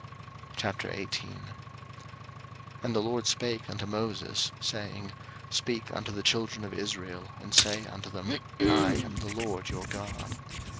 03:018:001 And the LORD spake unto Moses, saying, 03:018:002 Speak unto the children of Israel, and say unto them, I am the LORD your God.